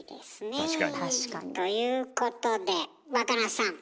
確かに。ということで若菜さん